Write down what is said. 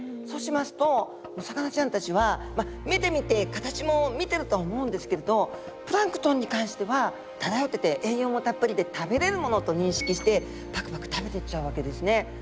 そうしますとお魚ちゃんたちは目で見て形も見てるとは思うんですけれどプランクトンに関しては漂ってて栄養もたっぷりで食べれるものと認識してパクパク食べてっちゃうわけですね。